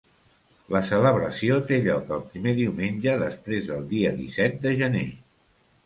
La celebració té lloc el primer diumenge després del dia disset de gener.